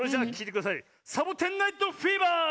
「サボテン・ナイト・フィーバー」！